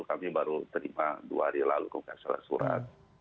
kami baru terima dua hari lalu bukan salah surat